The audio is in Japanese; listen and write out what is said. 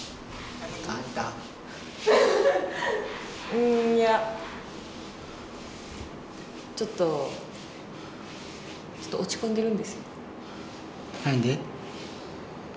うんいやちょっとちょっと落ち込んでるんです。